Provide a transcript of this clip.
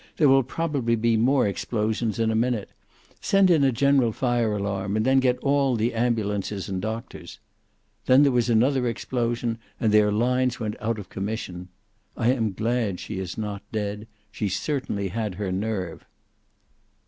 There will probably be more explosions in a minute. Send in a general fire alarm, and then get all the ambulances and doctors ' Then there was another explosion, and their lines went out of commission. I am glad she is not dead. She certainly had her nerve."